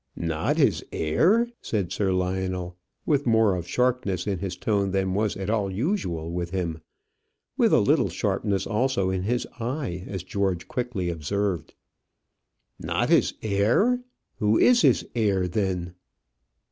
"Not his heir!" said Sir Lionel, with more of sharpness in his tone than was at all usual with him; with a little sharpness also in his eye, as George quickly observed. "Not his heir who is his heir then?"